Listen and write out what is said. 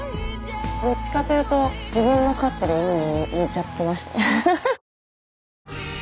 どっちかというと自分の飼ってる犬に似ちゃってます。